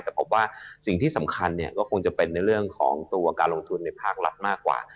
แต่ผมว่าสิ่งที่สำคัญเนี่ยก็คงจะเป็นในเรื่องของตัวการลงทุนในภาครัฐมากกว่า